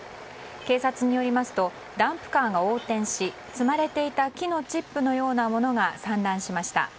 警察によりますとダンプカーが横転し積まれていた木のチップのようなものが散乱しました。